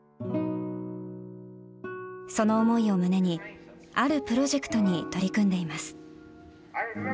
その思いを胸にあるプロジェクトに取り組んでいます。